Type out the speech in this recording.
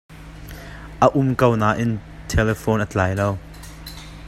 A um ko nain ṭelephone a tlai lo.